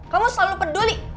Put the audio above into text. kamu selalu peduli